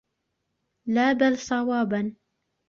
لَا بَلْ صَوَابًا